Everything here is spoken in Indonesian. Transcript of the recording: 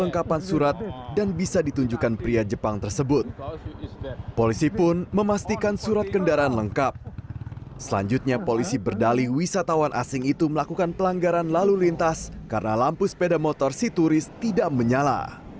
karena lampu sepeda motor si turis tidak menyala